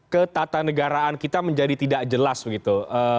ketatanegaraan kita menjadi tidak jelas begitu